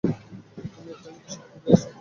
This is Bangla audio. তুমি একটা জিনিস উপহার পেয়েছ।